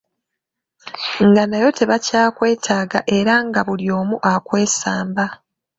Nga nayo tebakyakwetaaga era nga buli omu akwesamba.